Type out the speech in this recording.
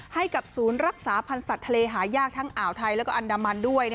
ให้กับศูนย์รักษาพันธ์สัตว์ทะเลหายากทั้งอ่าวไทยแล้วก็อันดามันด้วย